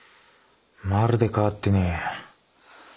まるで変わってねえや。